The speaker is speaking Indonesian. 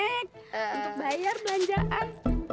untuk bayar belanjaan